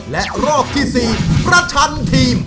และรอบที่๔ประชันทีม